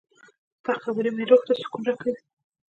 • ستا خبرې مې روح ته سکون راکوي.